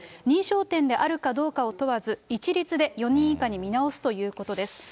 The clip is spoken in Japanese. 認証店であるかどうかを問わず、一律で４人以下に見直すということです。